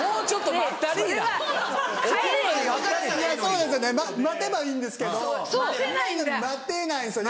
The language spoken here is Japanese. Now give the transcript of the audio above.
待てばいいんですけど待てないんですよね